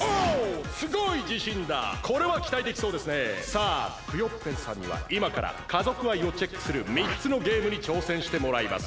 さあクヨッペンさんにはいまから家族愛をチェックする３つのゲームにちょうせんしてもらいます。